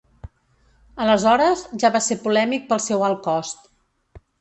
Aleshores, ja va ser polèmic pel seu alt cost.